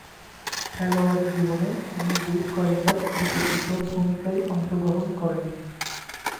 খেলোয়াড়ী জীবনে তিনি বেশ কয়েকবার বিতর্কিত ভূমিকায় অংশগ্রহণ করেন।